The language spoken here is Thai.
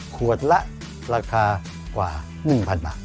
ขวดละราคากว่า๑๐๐๐บาท